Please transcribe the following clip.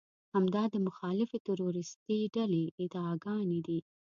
همدا د مخالفې تروريستي ډلې ادعاګانې دي.